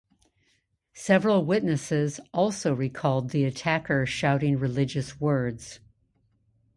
Several witnesses also recalled the attacker shouting religious words.